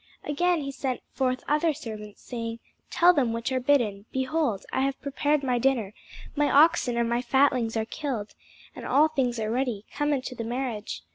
Again, he sent forth other servants, saying, Tell them which are bidden, Behold, I have prepared my dinner: my oxen and my fatlings are killed, and all things are ready: come unto the marriage.